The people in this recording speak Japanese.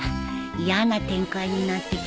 やな展開になってきたね